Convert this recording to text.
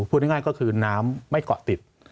พูดง่ายก็คือน้ำไม่เกาะติด